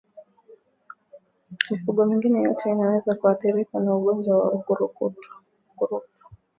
Mifugo mingine yote inaweza kuathirika na ugonjwa wa ukurutu